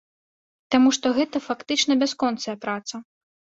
Таму што гэта фактычна бясконцая праца.